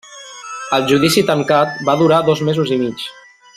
El judici tancat va durar dos mesos i mig.